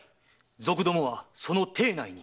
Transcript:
賊どもはその邸内に。